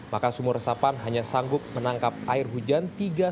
maka sumur resapan hanya sanggup menangkap air hujan